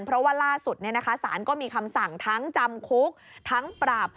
เพราะว่าล่าสุดสารก็มีคำสั่งทั้งจำคุกทั้งปรับ